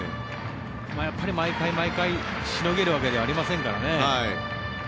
やっぱり毎回毎回しのげるわけではありませんからね。